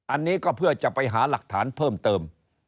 อันนี้ก็เพื่อจะไปหาหลักฐานเพิ่มเติม